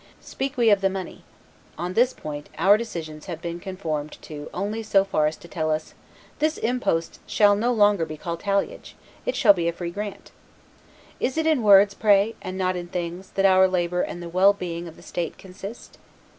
Speak we of the money. On this point, our decisions have been conformed to only so far as to tell us, 'This impost shall no longer be called talliage; it shall be a free grant.' Is it in words, pray, and not in things, that our labor and the well being of the state consist?